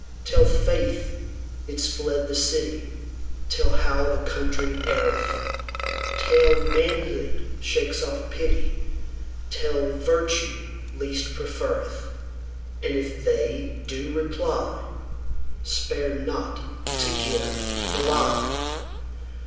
Tell faith it's fled the city; Tell how the country erreth; Tell, manhood shakes off pity; Tell, virtue least preferreth:And if they do reply, Spare not to give the lie.